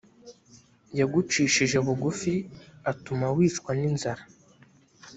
yagucishije bugufi, atuma wicwa n’inzara